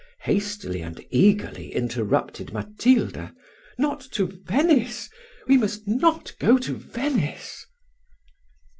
hastily and eagerly interrupted Matilda: "not to Venice we must not go to Venice."